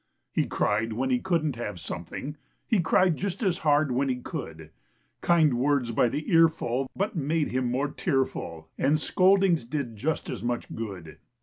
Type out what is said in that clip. He cried when he couldn't have something; He cried just as hard when he could; Kind words by the earful but made him more tearful, And scoldings did just as much good.